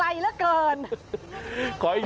มันไกลเหลือเกิน